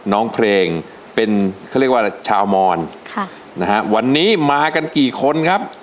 น้องเพลงเป็นเขาเรียกว่าชาวมอนค่ะนะฮะวันนี้มากันกี่คนครับ